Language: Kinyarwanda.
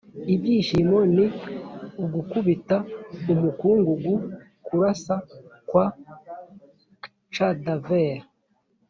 ibyishimo ni ugukubita umukungugu, kurasa kwa cadaver